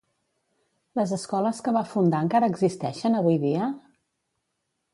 Les escoles que va fundar encara existeixen avui dia?